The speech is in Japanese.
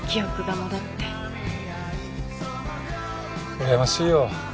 うらやましいよ。